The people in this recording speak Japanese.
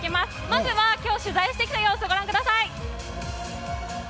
まずは今日取材してきた様子をご覧ください。